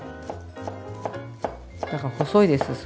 だから細いです